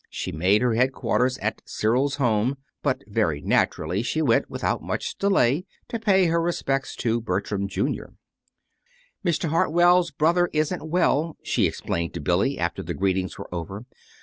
She made her headquarters at Cyril's home, but very naturally she went, without much delay, to pay her respects to Bertram, Jr. "Mr. Hartwell's brother isn't well," she explained to Billy, after the greetings were over.